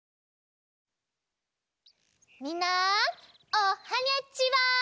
みんなおはにゃちは！